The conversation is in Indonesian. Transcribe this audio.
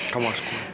kamu harus kuat